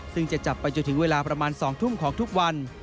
ซึ่งจะจับไปจนถึงเวลาประมาณ๒ทุ่มของทุกวัน